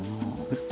えっ？